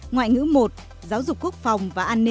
ngoại ngữ một giáo dục quốc phòng